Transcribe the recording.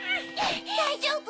だいじょうぶ？